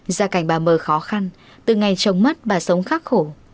gia cảnh bà m khó khăn từ ngày trông mất bà sống khắc khổ